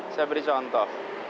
saya beri contoh